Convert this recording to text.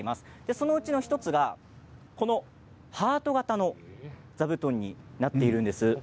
そのうちの１つがハート形の座布団になっているんです。